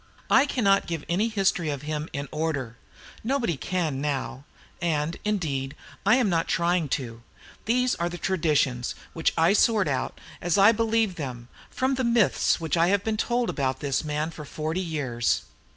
I cannot give any history of him in order; nobody can now; and, indeed, I am not trying to. These are the traditions, which I sort out, as I believe them, from the myths which have been told about this man for forty years.